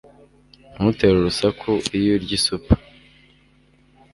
Ntutere urusaku iyo urya isupu